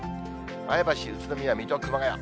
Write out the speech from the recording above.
前橋、宇都宮、水戸、熊谷。